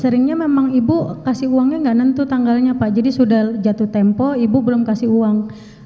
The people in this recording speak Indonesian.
seringnya memang ibu kasih uangnya nggak nentu tanggalnya pak jadi sudah jatuh tempo ibu belum kasih uang